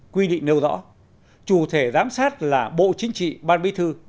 quy định nêu rõ chủ thể giám sát là bộ chính trị ban bí thư